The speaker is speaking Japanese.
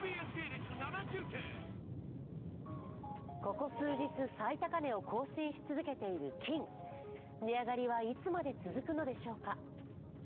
ここ数日、最高値を更新し続けている金、値上がりはいつまで続くのでしょうか。